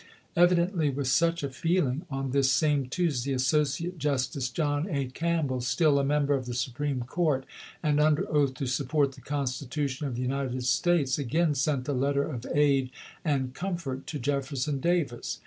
Evidently with such a feeling, on this same Tuesday, Associate Justice John A. Campbell, still a member of the Supreme Court and under oath to support the Constitution of the United States, again sent a letter of aid and comfort to Jefferson Davis.